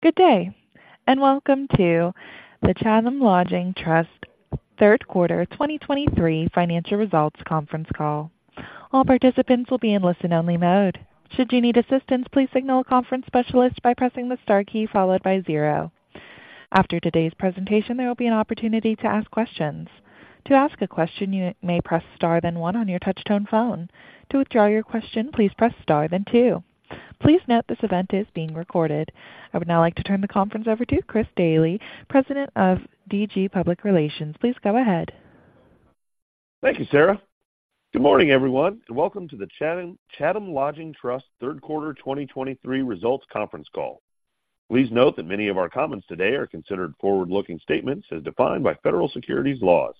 Good day, and welcome to the Chatham Lodging Trust third quarter 2023 financial results conference call. All participants will be in listen-only mode. Should you need assistance, please signal a conference specialist by pressing the star key followed by zero. After today's presentation, there will be an opportunity to ask questions. To ask a question, you may press star, then one on your touch-tone phone. To withdraw your question, please press star then two. Please note, this event is being recorded. I would now like to turn the conference over to Chris Daly, President of Daly Gray Public Relations. Please go ahead. Thank you, Sarah. Good morning, everyone, and welcome to the Chatham, Chatham Lodging Trust third quarter 2023 results conference call. Please note that many of our comments today are considered forward-looking statements as defined by federal securities laws.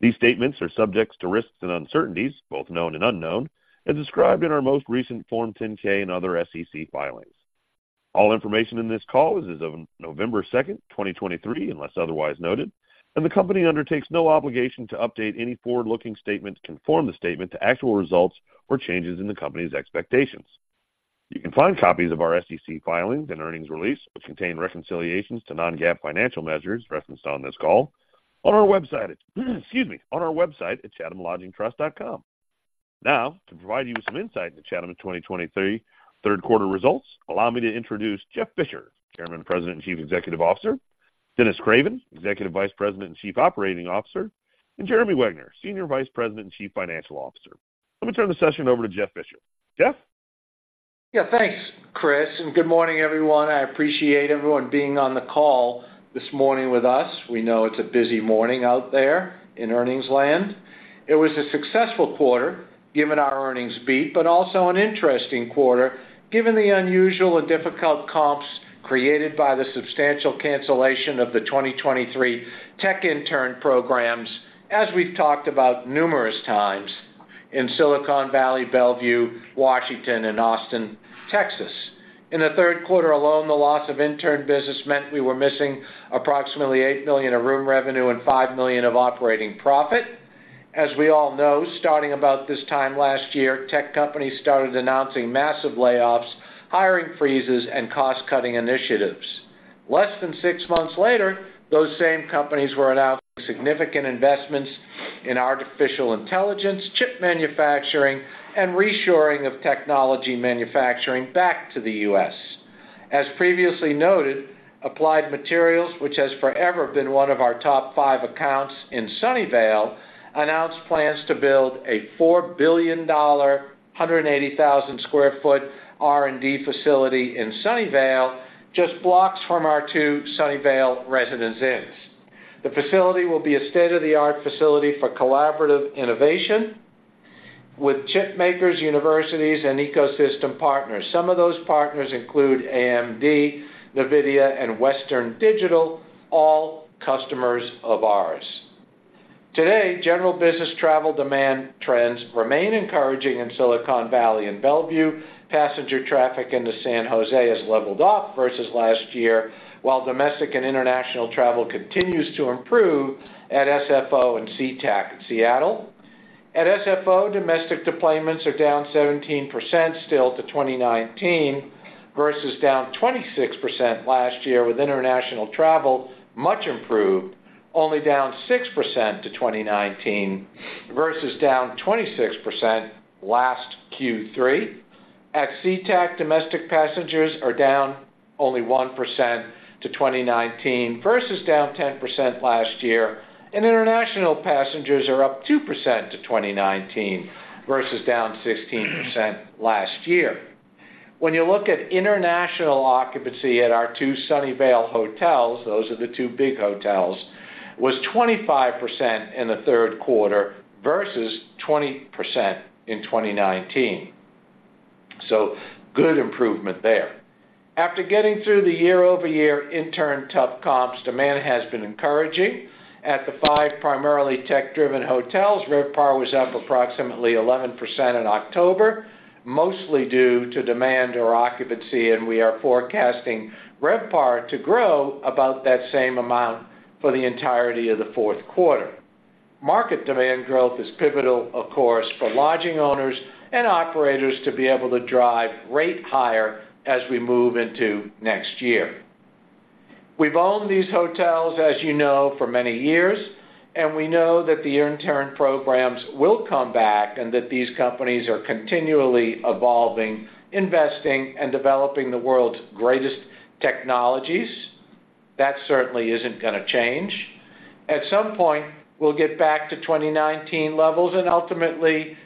These statements are subjects to risks and uncertainties, both known and unknown, as described in our most recent Form 10-K and other SEC filings. All information in this call is of November 2, 2023, unless otherwise noted, and the company undertakes no obligation to update any forward-looking statements to conform the statement to actual results or changes in the company's expectations. You can find copies of our SEC filings and earnings release, which contain reconciliations to non-GAAP financial measures referenced on this call on our website, excuse me, on our website at chathamlodgingtrust.com. Now, to provide you with some insight into Chatham in 2023 third quarter results, allow me to introduce Jeff Fisher, Chairman, President, and Chief Executive Officer, Dennis Craven, Executive Vice President and Chief Operating Officer, and Jeremy Wegner, Senior Vice President and Chief Financial Officer. Let me turn the session over to Jeff Fisher. Jeff? Yeah, thanks, Chris, and good morning, everyone. I appreciate everyone being on the call this morning with us. We know it's a busy morning out there in earnings land. It was a successful quarter, given our earnings beat, but also an interesting quarter, given the unusual and difficult comps created by the substantial cancellation of the 2023 tech intern programs, as we've talked about numerous times in Silicon Valley, Bellevue, Washington, and Austin, Texas. In the third quarter alone, the loss of intern business meant we were missing approximately $8 million of room revenue and $5 million of operating profit. As we all know, starting about this time last year, tech companies started announcing massive layoffs, hiring freezes, and cost-cutting initiatives. Less than six months later, those same companies were announcing significant investments in artificial intelligence, chip manufacturing, and reshoring of technology manufacturing back to the U.S. As previously noted, Applied Materials, which has forever been one of our top five accounts in Sunnyvale, announced plans to build a $4 billion, 180,000sq ft R&D facility in Sunnyvale, just blocks from our two Sunnyvale Residence Inns. The facility will be a state-of-the-art facility for collaborative innovation with chip makers, universities, and ecosystem partners. Some of those partners include AMD, NVIDIA, and Western Digital, all customers of ours. Today, general business travel demand trends remain encouraging in Silicon Valley and Bellevue. Passenger traffic into San Jose has leveled off versus last year, while domestic and international travel continues to improve at SFO and SeaTac in Seattle. At SFO, domestic deployments are down 17% still to 2019, versus down 26% last year, with international travel much improved, only down 6% to 2019, versus down 26% last Q3. At SeaTac, domestic passengers are down only 1% to 2019, versus down 10% last year, and international passengers are up 2% to 2019, versus down 16% last year. When you look at international occupancy at our two Sunnyvale hotels, those are the two big hotels, was 25% in the third quarter versus 20% in 2019. So good improvement there. After getting through the year-over-year intern tough comps, demand has been encouraging. At the five primarily tech-driven hotels, RevPAR was up approximately 11% in October, mostly due to demand or occupancy, and we are forecasting RevPAR to grow about that same amount for the entirety of the fourth quarter. Market demand growth is pivotal, of course, for lodging owners and operators to be able to drive rate higher as we move into next year. We've owned these hotels, as you know, for many years, and we know that the year intern programs will come back and that these companies are continually evolving, investing, and developing the world's greatest technologies. That certainly isn't going to change. At some point, we'll get back to 2019 levels and ultimately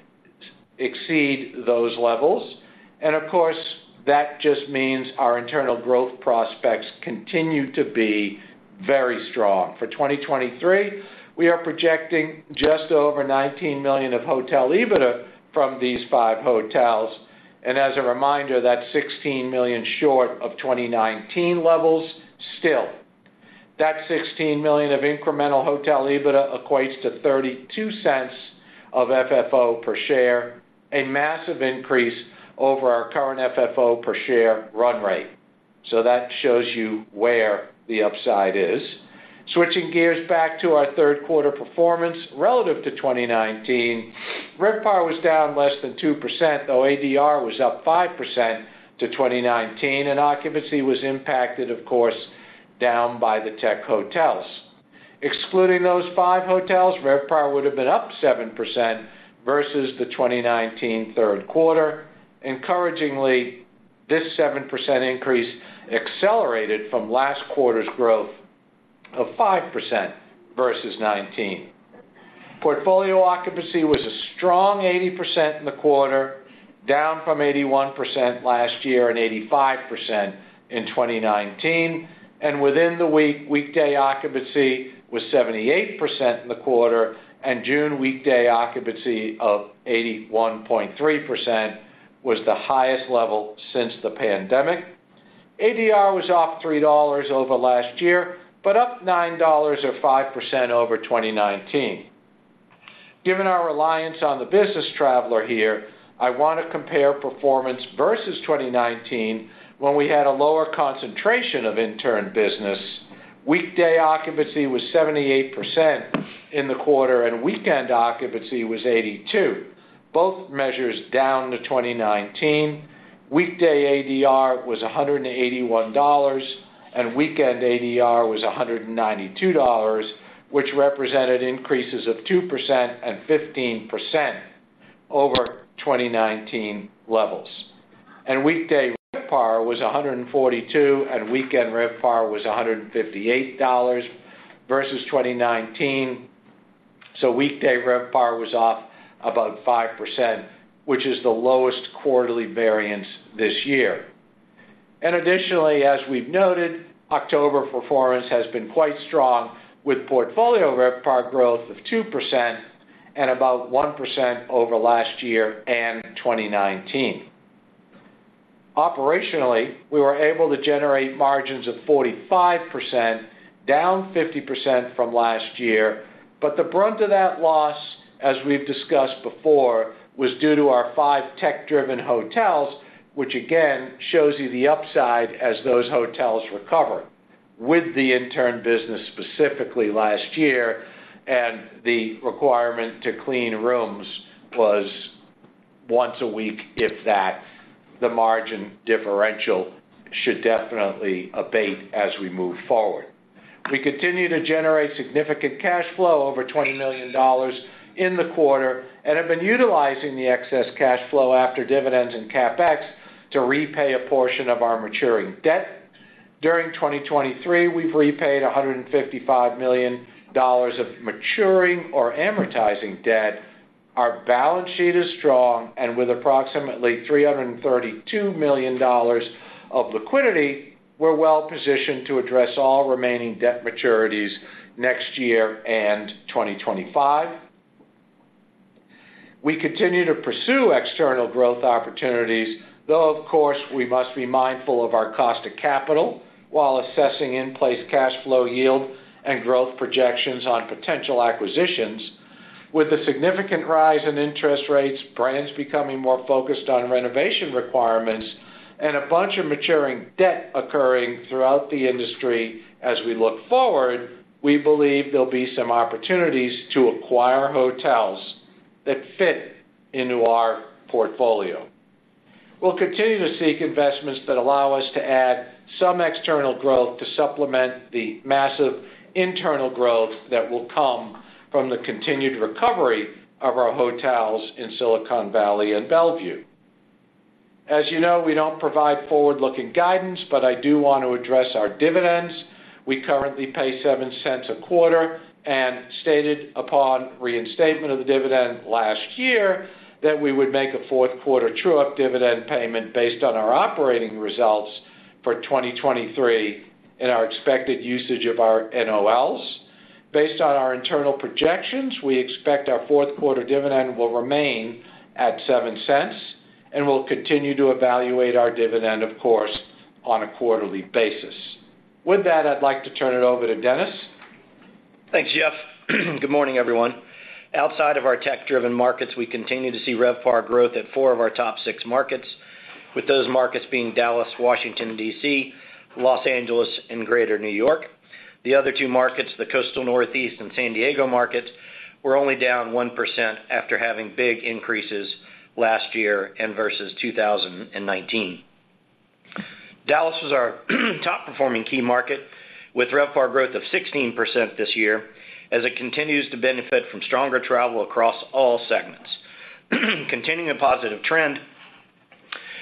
exceed those levels. Of course, that just means our internal growth prospects continue to be very strong. For 2023, we are projecting just over $19 million of hotel EBITDA from these five hotels, and as a reminder, that's $16 million short of 2019 levels. Still, that $16 million of incremental hotel EBITDA equates to $0.32 of FFO per share, a massive increase over our current FFO per share run rate. That shows you where the upside is... Switching gears back to our third quarter performance, relative to 2019, RevPAR was down less than 2%, though ADR was up 5% to 2019, and occupancy was impacted, of course, down by the tech hotels. Excluding those five hotels, RevPAR would have been up 7% versus the 2019 third quarter. Encouragingly, this 7% increase accelerated from last quarter's growth of 5% versus 2019. Portfolio occupancy was a strong 80% in the quarter, down from 81% last year and 85% in 2019, and within the week, weekday occupancy was 78% in the quarter, and June weekday occupancy of 81.3% was the highest level since the pandemic. ADR was off $3 over last year, but up $9 or 5% over 2019. Given our reliance on the business traveler here, I want to compare performance versus 2019, when we had a lower concentration of intern business. Weekday occupancy was 78% in the quarter, and weekend occupancy was 82%, both measures down to 2019. Weekday ADR was $181, and weekend ADR was $192, which represented increases of 2% and 15% over 2019 levels. Weekday RevPAR was $142, and weekend RevPAR was $158 versus 2019. Weekday RevPAR was off about 5%, which is the lowest quarterly variance this year. Additionally, as we've noted, October performance has been quite strong, with portfolio RevPAR growth of 2% and about 1% over last year and 2019. Operationally, we were able to generate margins of 45%, down 50% from last year. But the brunt of that loss, as we've discussed before, was due to our five tech-driven hotels, which again, shows you the upside as those hotels recover. With the intern business, specifically last year, and the requirement to clean rooms was once a week, if that, the margin differential should definitely abate as we move forward. We continue to generate significant cash flow, over $20 million in the quarter, and have been utilizing the excess cash flow after dividends and CapEx to repay a portion of our maturing debt. During 2023, we've repaid $155 million of maturing or amortizing debt. Our balance sheet is strong, and with approximately $332 million of liquidity, we're well positioned to address all remaining debt maturities next year and 2025. We continue to pursue external growth opportunities, though, of course, we must be mindful of our cost of capital while assessing in-place cash flow yield and growth projections on potential acquisitions. With the significant rise in interest rates, brands becoming more focused on renovation requirements, and a bunch of maturing debt occurring throughout the industry as we look forward, we believe there'll be some opportunities to acquire hotels that fit into our portfolio. We'll continue to seek investments that allow us to add some external growth to supplement the massive internal growth that will come from the continued recovery of our hotels in Silicon Valley and Bellevue. As you know, we don't provide forward-looking guidance, but I do want to address our dividends. We currently pay $0.07 a quarter and stated upon reinstatement of the dividend last year, that we would make a fourth quarter true-up dividend payment based on our operating results for 2023 and our expected usage of our NOLs. Based on our internal projections, we expect our fourth quarter dividend will remain at $0.07, and we'll continue to evaluate our dividend, of course, on a quarterly basis. With that, I'd like to turn it over to Dennis. Thanks, Jeff. Good morning, everyone. Outside of our tech-driven markets, we continue to see RevPAR growth at four of our top six markets, with those markets being Dallas, Washington, D.C., Los Angeles, and Greater New York. The other two markets, the Coastal Northeast and San Diego markets, were only down 1% after having big increases last year and versus 2019. Dallas was our top-performing key market, with RevPAR growth of 16% this year, as it continues to benefit from stronger travel across all segments. Continuing a positive trend,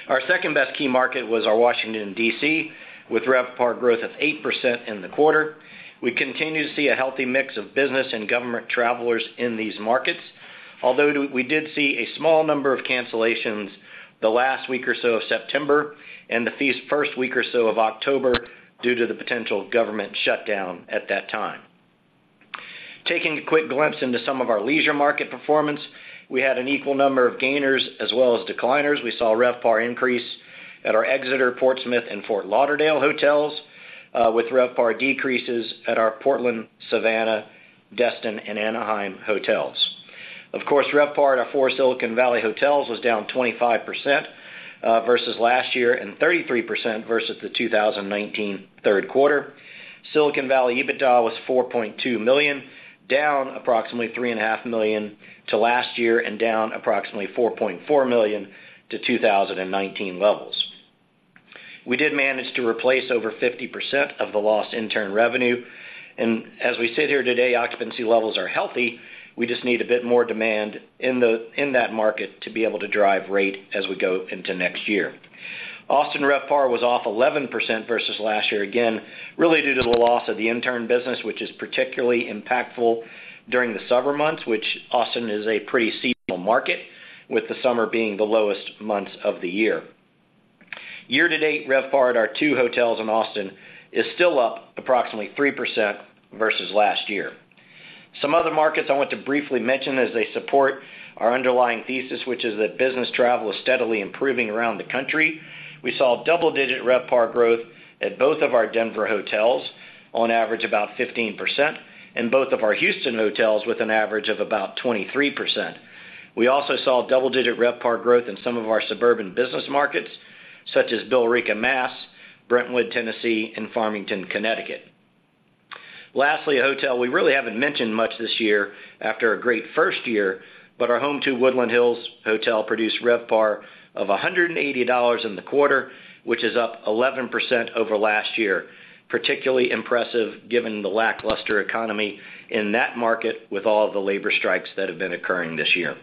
our second-best key market was our Washington, D.C., with RevPAR growth of 8% in the quarter. We continue to see a healthy mix of business and government travelers in these markets, although we did see a small number of cancellations the last week or so of September and the first week or so of October, due to the potential government shutdown at that time. Taking a quick glimpse into some of our leisure market performance, we had an equal number of gainers as well as decliners. We saw RevPAR increase at our Exeter, Portsmouth, and Fort Lauderdale hotels, with RevPAR decreases at our Portland, Savannah, Destin, and Anaheim hotels. Of course, RevPAR at our four Silicon Valley hotels was down 25%, versus last year, and 33% versus the 2019 third quarter. Silicon Valley EBITDA was $4.2 million, down approximately $3.5 million to last year, and down approximately $4.4 million to 2019 levels. We did manage to replace over 50% of the lost intern revenue, and as we sit here today, occupancy levels are healthy. We just need a bit more demand in that market to be able to drive rate as we go into next year. Austin RevPAR was off 11% versus last year, again, really due to the loss of the intern business, which is particularly impactful during the summer months, which Austin is a pretty seasonal market, with the summer being the lowest months of the year. Year-to-date, RevPAR at our two hotels in Austin is still up approximately 3% versus last year. Some other markets I want to briefly mention as they support our underlying thesis, which is that business travel is steadily improving around the country. We saw double-digit RevPAR growth at both of our Denver hotels, on average, about 15%, and both of our Houston hotels with an average of about 23%. We also saw double-digit RevPAR growth in some of our suburban business markets, such as Billerica, Mass, Brentwood, Tennessee, and Farmington, Connecticut. Lastly, a hotel we really haven't mentioned much this year after a great first year, but our Home2 Woodland Hills Hotel produced RevPAR of $180 in the quarter, which is up 11% over last year. Particularly impressive, given the lackluster economy in that market with all the labor strikes that have been occurring this year.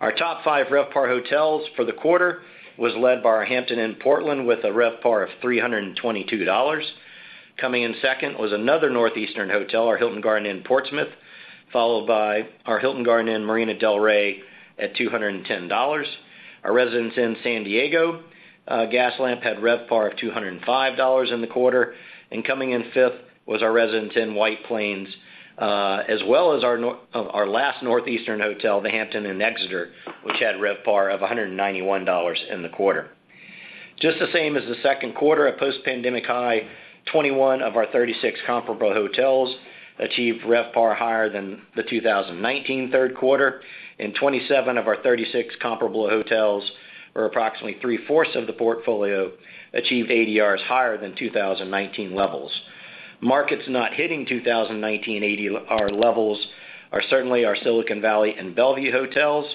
Our top five RevPAR hotels for the quarter was led by our Hampton Inn Portland with a RevPAR of $322. Coming in second was another Northeastern hotel, our Hilton Garden Inn Portsmouth, followed by our Hilton Garden Inn Marina del Rey, at $210. Our Residence Inn San Diego Gaslamp had RevPAR of $205 in the quarter. And coming in fifth was our Residence Inn White Plains as well as our last Northeastern hotel, the Hampton Inn Exeter, which had RevPAR of $191 in the quarter. Just the same as the second quarter, a post-pandemic high, 21 of our 36 comparable hotels achieved RevPAR higher than the 2019 third quarter, and 27 of our 36 comparable hotels, or approximately three-fourths of the portfolio, achieved ADRs higher than 2019 levels. Markets not hitting 2019 ADR levels are certainly our Silicon Valley and Bellevue hotels,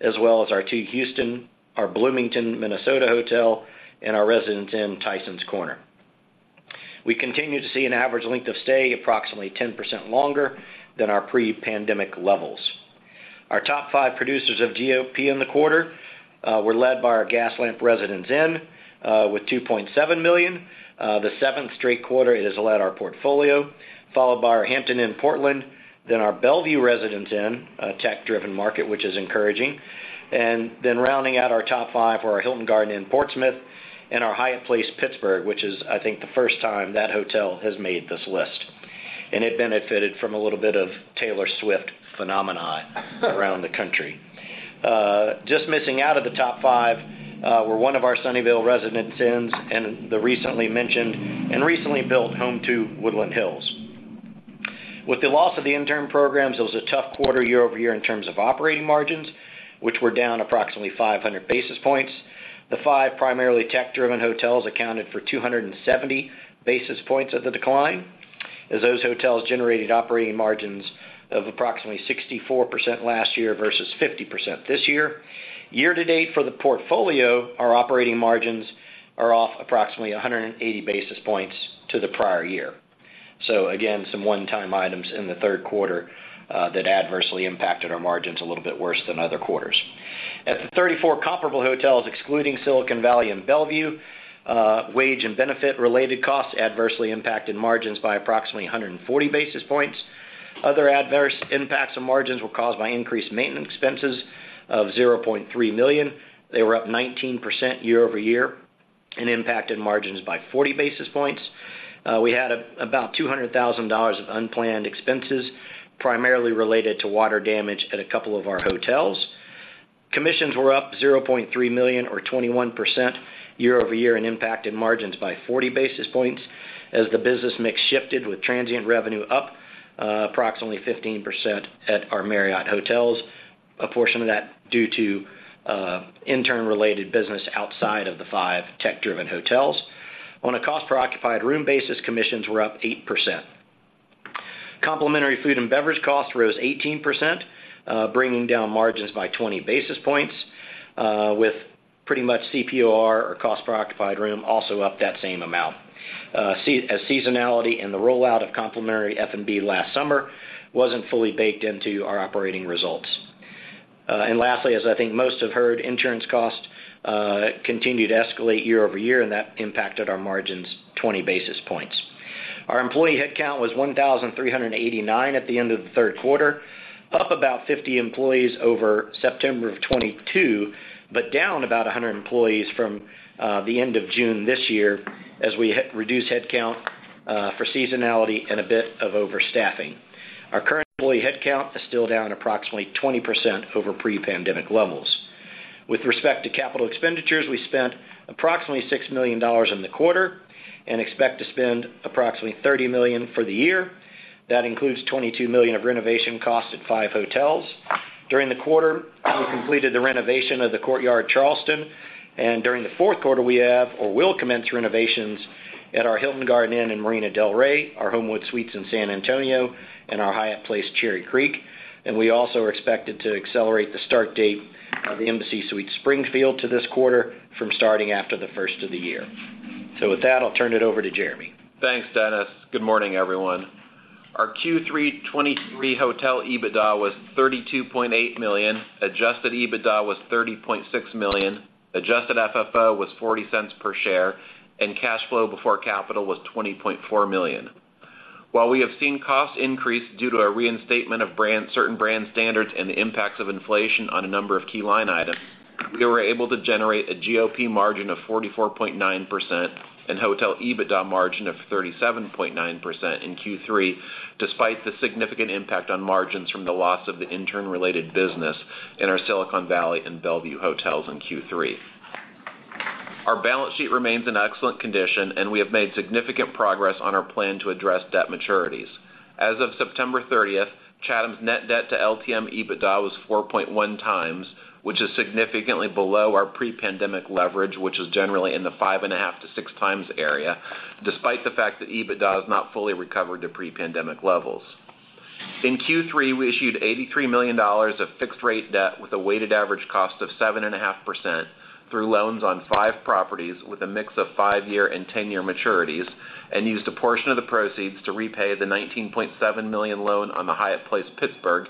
as well as our two Houston, our Bloomington, Minnesota hotel, and our Residence Inn Tysons Corner. We continue to see an average length of stay, approximately 10% longer than our pre-pandemic levels. Our top five producers of GOP in the quarter were led by our Gaslamp Residence Inn with $2.7 million, the 7th straight quarter it has led our portfolio, followed by our Hampton Inn Portland, then our Bellevue Residence Inn, a tech-driven market, which is encouraging. And then rounding out our top five were our Hilton Garden Inn Portsmouth and our Hyatt Place Pittsburgh, which is, I think, the first time that hotel has made this list. It benefited from a little bit of Taylor Swift phenomenon around the country. Just missing out of the top five were one of our Sunnyvale Residence Inns and the recently mentioned and recently built Home2 Woodland Hills. With the loss of the intern programs, it was a tough quarter year-over-year in terms of operating margins, which were down approximately 500 basis points. The five, primarily tech-driven hotels, accounted for 270 basis points of the decline, as those hotels generated operating margins of approximately 64% last year versus 50% this year. Year-to-date for the portfolio, our operating margins are off approximately 100 basis points to the prior year. So again, some one-time items in the third quarter that adversely impacted our margins a little bit worse than other quarters. At the 34 comparable hotels, excluding Silicon Valley and Bellevue, wage and benefit-related costs adversely impacted margins by approximately 140 basis points. Other adverse impacts on margins were caused by increased maintenance expenses of $0.3 million. They were up 19% year-over-year and impacted margins by 40 basis points. We had about $200,000 of unplanned expenses, primarily related to water damage at a couple of our hotels. Commissions were up $0.3 million, or 21% year-over-year, and impacted margins by 40 basis points as the business mix shifted, with transient revenue up approximately 15% at our Marriott hotels, a portion of that due to intern-related business outside of the five tech-driven hotels. On a cost per occupied room basis, commissions were up 8%. Complementary food and beverage costs rose 18%, bringing down margins by 20 basis points, with pretty much CPOR or cost per occupied room also up that same amount, as seasonality and the rollout of complementary F&B last summer wasn't fully baked into our operating results. And lastly, as I think most have heard, insurance costs continued to escalate year-over-year, and that impacted our margins 20 basis points. Our employee headcount was 1,389 at the end of the third quarter, up about 50 employees over September 2022, but down about 100 employees from the end of June this year as we re-reduced headcount for seasonality and a bit of overstaffing. Our current employee headcount is still down approximately 20% over pre-pandemic levels. With respect to capital expenditures, we spent approximately $6 million in the quarter and expect to spend approximately $30 million for the year. That includes $22 million of renovation costs at five hotels. During the quarter, we completed the renovation of the Courtyard Charleston, and during the fourth quarter, we have or will commence renovations at our Hilton Garden Inn in Marina del Rey, our Homewood Suites in San Antonio, and our Hyatt Place, Cherry Creek. We also are expected to accelerate the start date of the Embassy Suites, Springfield, to this quarter from starting after the first of the year. With that, I'll turn it over to Jeremy. Thanks, Dennis. Good morning, everyone. Our Q3 2023 hotel EBITDA was $32.8 million. Adjusted EBITDA was $30.6 million. Adjusted FFO was $0.40 per share, and cash flow before capital was $20.4 million. While we have seen costs increase due to our reinstatement of certain brand standards and the impacts of inflation on a number of key line items, we were able to generate a GOP margin of 44.9% and hotel EBITDA margin of 37.9% in Q3, despite the significant impact on margins from the loss of the intern-related business in our Silicon Valley and Bellevue hotels in Q3. Our balance sheet remains in excellent condition, and we have made significant progress on our plan to address debt maturities. As of September 30, Chatham's net debt to LTM EBITDA was 4.1x, which is significantly below our pre-pandemic leverage, which is generally in the 5.5x-6x area, despite the fact that EBITDA has not fully recovered to pre-pandemic levels. In Q3, we issued $83 million of fixed-rate debt with a weighted average cost of 7.5%, through loans on five properties with a mix of five-year and 10-year maturities, and used a portion of the proceeds to repay the $19.7 million loan on the Hyatt Place Pittsburgh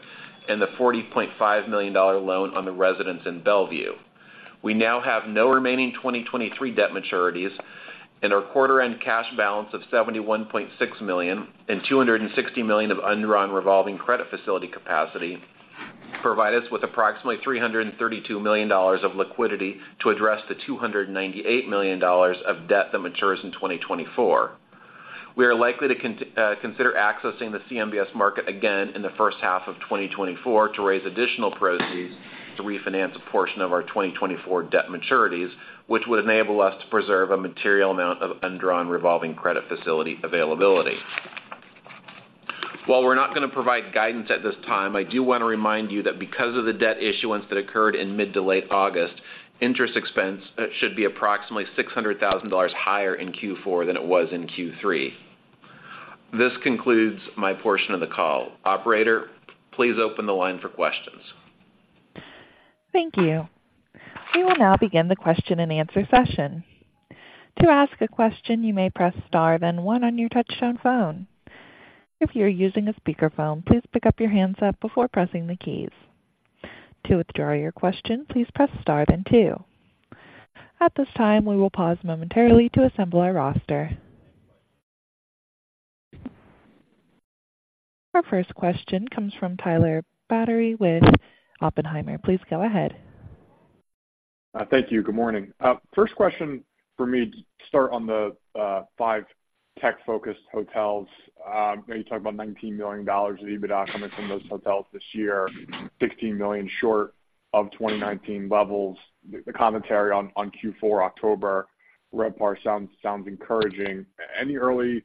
and the $40.5 million loan on the Residence Inn Bellevue. We now have no remaining 2023 debt maturities, and our quarter-end cash balance of $71.6 million and $260 million of undrawn revolving credit facility capacity provide us with approximately $332 million of liquidity to address the $298 million of debt that matures in 2024. We are likely to consider accessing the CMBS market again in the first half of 2024 to raise additional proceeds to refinance a portion of our 2024 debt maturities, which would enable us to preserve a material amount of undrawn revolving credit facility availability. While we're not gonna provide guidance at this time, I do want to remind you that because of the debt issuance that occurred in mid to late August, interest expense should be approximately $600,000 higher in Q4 than it was in Q3. This concludes my portion of the call. Operator, please open the line for questions. Thank you. We will now begin the question-and-answer session. To ask a question, you may press star, then one on your touch-tone phone. If you're using a speakerphone, please pick up the handset before pressing the keys. To withdraw your question, please press star, then two. At this time, we will pause momentarily to assemble our roster. Our first question comes from Tyler Batory with Oppenheimer. Please go ahead. Thank you. Good morning. First question for me to start on the five tech-focused hotels. You talked about $19 million of EBITDA coming from those hotels this year, $16 million short of 2019 levels. The commentary on Q4, October, RevPAR sounds encouraging. Any early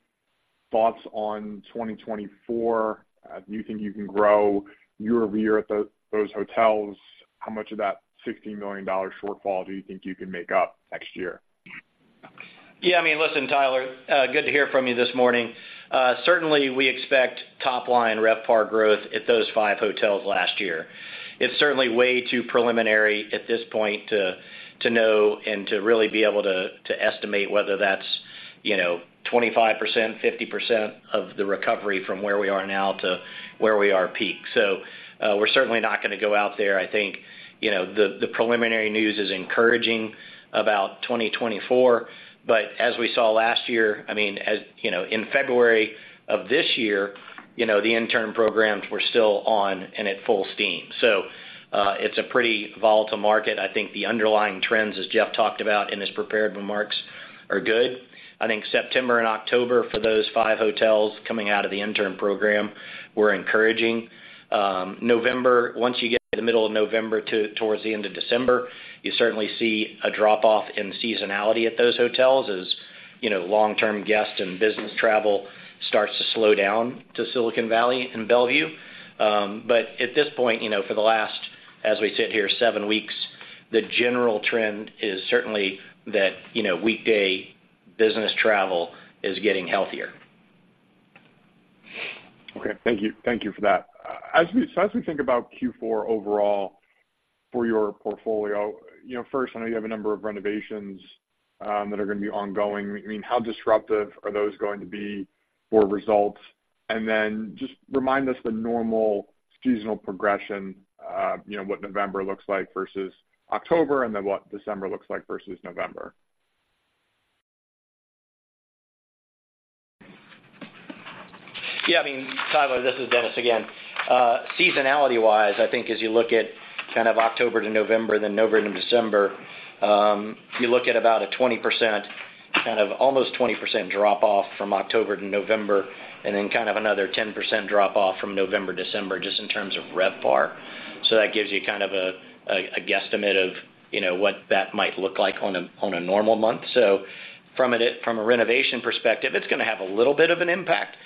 thoughts on 2024? Do you think you can grow year-over-year at those hotels? How much of that $16 million shortfall do you think you can make up next year? Yeah, I mean, listen, Tyler, good to hear from you this morning. Certainly, we expect top line RevPAR growth at those five hotels last year. It's certainly way too preliminary at this point to know and to really be able to estimate whether that's, you know, 25%, 50% of the recovery from where we are now to where we are peak. So, we're certainly not gonna go out there. I think, you know, the preliminary news is encouraging about 2024, but as we saw last year, I mean, as you know, in February of this year, you know, the intern programs were still on and at full steam. So, it's a pretty volatile market. I think the underlying trends, as Jeff talked about in his prepared remarks, are good. I think September and October for those five hotels coming out of the intern program were encouraging. November, once you get to the middle of November to towards the end of December, you certainly see a drop-off in seasonality at those hotels, as, you know, long-term guests and business travel starts to slow down to Silicon Valley and Bellevue. But at this point, you know, for the last, as we sit here seven weeks, the general trend is certainly that, you know, weekday business travel is getting healthier. Okay. Thank you. Thank you for that. So as we think about Q4 overall for your portfolio, you know, first, I know you have a number of renovations that are gonna be ongoing. I mean, how disruptive are those going to be for results? And then just remind us the normal seasonal progression, you know, what November looks like versus October, and then what December looks like versus November. Yeah, I mean, Tyler, this is Dennis again. Seasonality-wise, I think as you look at kind of October to November, then November to December, you look at about a 20%, kind of almost 20% drop off from October to November, and then kind of another 10% drop off from November, December, just in terms of RevPAR. So that gives you kind of a guesstimate of, you know, what that might look like on a normal month. So from a renovation perspective, it's gonna have a little bit of an impact.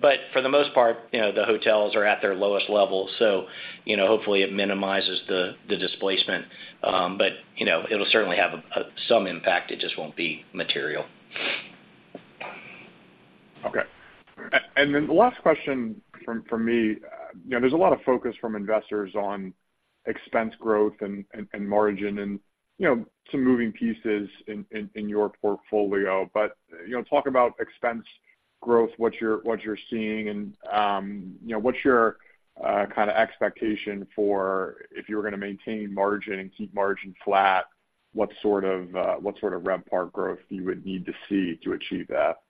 But for the most part, you know, the hotels are at their lowest level, so, you know, hopefully it minimizes the, the displacement. But, you know, it'll certainly have some impact. It just won't be material. Okay. And then the last question from me, you know, there's a lot of focus from investors on expense growth and margin and, you know, some moving pieces in your portfolio. But, you know, talk about expense growth, what you're seeing, and, you know, what's your kind of expectation for if you were gonna maintain margin and keep margin flat, what sort of RevPAR growth you would need to see to achieve that?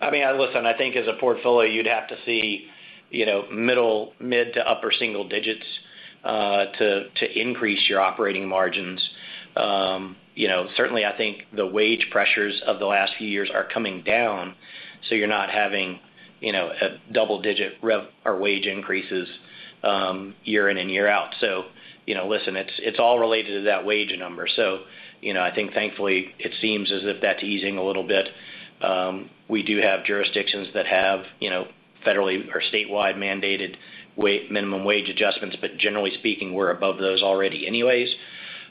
I mean, listen, I think as a portfolio, you'd have to see, you know, mid- to upper single digits to increase your operating margins. You know, certainly, I think the wage pressures of the last few years are coming down, so you're not having, you know, a double-digit rev or wage increases year in and year out. So, you know, listen, it's all related to that wage number. So, you know, I think thankfully, it seems as if that's easing a little bit. We do have jurisdictions that have, you know, federally or statewide mandated minimum wage adjustments, but generally speaking, we're above those already anyways.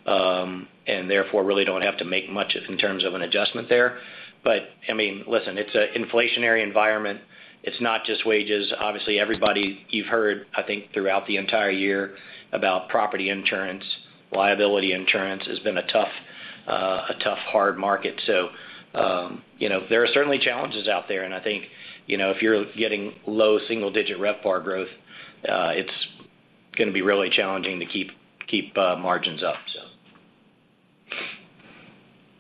And therefore, really don't have to make much in terms of an adjustment there. But, I mean, listen, it's an inflationary environment. It's not just wages. Obviously, everybody you've heard, I think, throughout the entire year about property insurance, liability insurance has been a tough, hard market. So, you know, there are certainly challenges out there, and I think, you know, if you're getting low single-digit RevPAR growth, it's gonna be really challenging to keep margins up, so.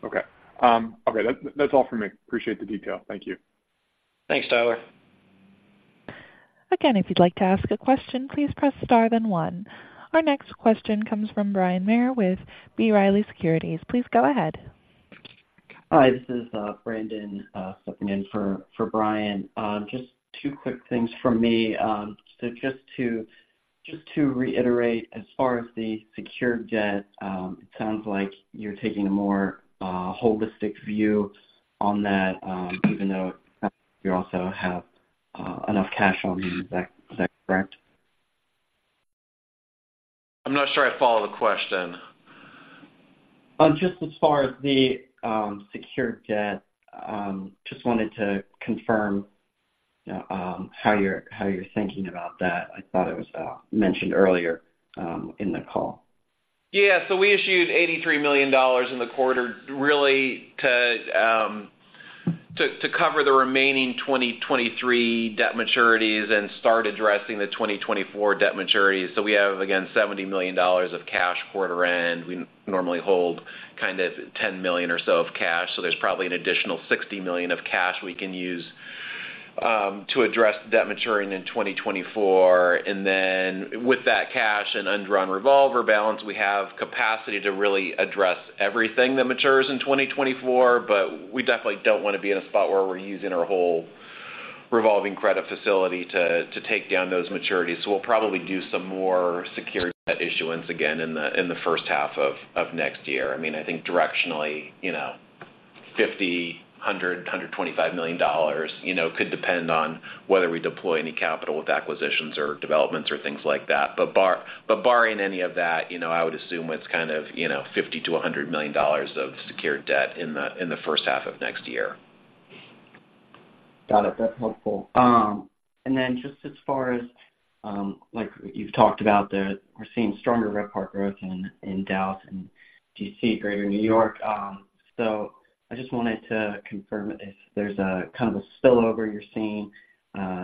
Okay. That's all for me. Appreciate the detail. Thank you. Thanks, Tyler. Again, if you'd like to ask a question, please press star, then one. Our next question comes from Bryan Maher with B. Riley Securities. Please go ahead. Hi, this is Brandon stepping in for Bryan. Just two quick things from me. So just to reiterate, as far as the secured debt, it sounds like you're taking a more holistic view on that, even though you also have enough cash on you. Is that correct? I'm not sure I follow the question. Just as far as the secured debt, just wanted to confirm how you're thinking about that. I thought it was mentioned earlier in the call. Yeah. So we issued $83 million in the quarter, really to cover the remaining 2023 debt maturities and start addressing the 2024 debt maturities. So we have, again, $70 million of cash quarter end. We normally hold kind of $10 million or so of cash, so there's probably an additional $60 million of cash we can use to address the debt maturing in 2024. And then with that cash and undrawn revolver balance, we have capacity to really address everything that matures in 2024, but we definitely don't wanna be in a spot where we're using our whole revolving credit facility to take down those maturities. So we'll probably do some more secured debt issuance again in the first half of next year. I mean, I think directionally, you know, $50 million, $100 million, $125 million, you know, could depend on whether we deploy any capital with acquisitions or developments or things like that. But barring any of that, you know, I would assume it's kind of, you know, $50 million-$100 million of secured debt in the first half of next year. Got it. That's helpful. And then just as far as, like you've talked about the, we're seeing stronger RevPAR growth in Dallas and D.C., Greater New York. So I just wanted to confirm if there's a kind of a spillover you're seeing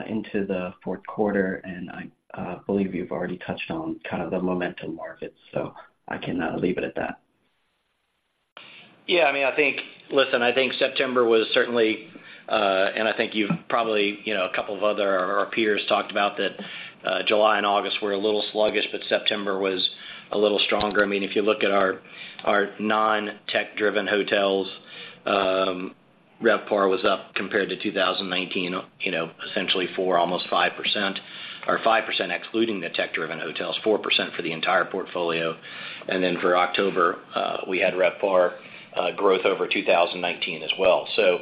into the fourth quarter, and I believe you've already touched on kind of the momentum markets, so I can leave it at that. Yeah, I mean, I think, listen, I think September was certainly, and I think you've probably, you know, a couple of other our peers talked about that, July and August were a little sluggish, but September was a little stronger. I mean, if you look at our, our non-tech-driven hotels, RevPAR was up compared to 2019, you know, essentially 4%, almost 5%, or 5%, excluding the tech-driven hotels, 4% for the entire portfolio. And then for October, we had RevPAR growth over 2019 as well. So,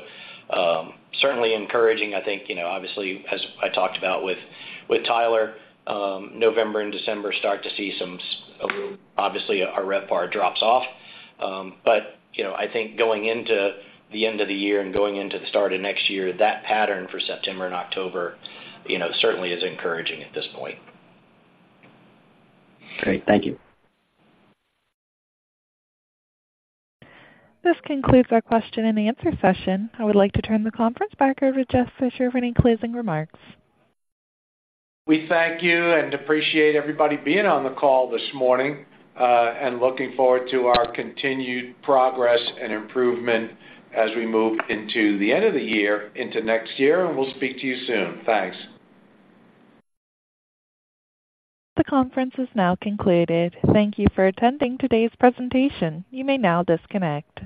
certainly encouraging. I think, you know, obviously, as I talked about with, with Tyler, November and December start to see some, obviously, our RevPAR drops off. But, you know, I think going into the end of the year and going into the start of next year, that pattern for September and October, you know, certainly is encouraging at this point. Great. Thank you. This concludes our question-and-answer session. I would like to turn the conference back over to Jeff Fisher for any closing remarks. We thank you and appreciate everybody being on the call this morning, and looking forward to our continued progress and improvement as we move into the end of the year, into next year, and we'll speak to you soon. Thanks. The conference is now concluded. Thank you for attending today's presentation. You may now disconnect.